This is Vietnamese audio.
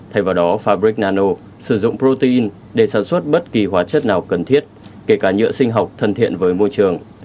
thay vào đó fabric nano sử dụng protein để sản xuất bất kỳ hóa chất nào cần thiết kể cả nhựa sinh học thân thiện với môi trường